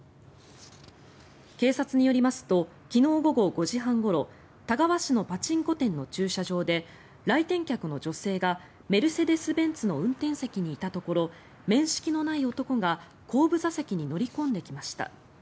警察によりますと昨日午後５時半ごろ田川市のパチンコ店の駐車場で来店客の女性がメルセデス・ベンツの運転席にいたところ面識のない男が後部座席に乗り込んできました。